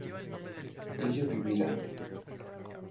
¿ella viviría?